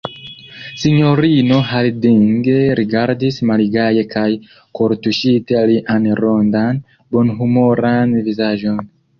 Sinjorino Harding rigardis malgaje kaj kortuŝite lian rondan, bonhumoran vizaĝon.